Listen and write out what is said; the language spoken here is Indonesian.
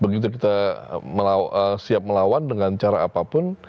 begitu kita siap melawan dengan cara apapun